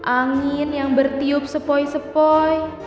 angin yang bertiup sepoi sepoi